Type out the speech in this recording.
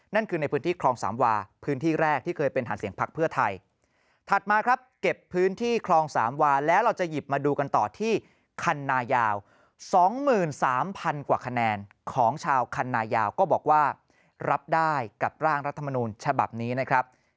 นั่นคือในพื้นที่คลองสามวาพื้นที่แรกที่เคยเป็นฐานเสียงพักเพื่อไทยถัดมาครับเก็บพื้นที่คลองสามวาแล้วเราจะหยิบมาดูกันต่อที่คันนายาว๒๓๐๐กว่าคะแนนของชาวคันนายาวก็บอกว่ารับได้กับร่างรัฐมนูลฉบับนี้นะครับ